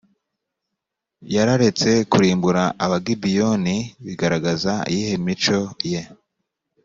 yararetse kurimbura abagibeyoni bigaragaza iyihe mico ye